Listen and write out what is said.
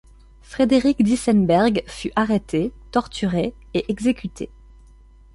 Frédéric d'Isenberg fut arrêté, torturé et exécuté.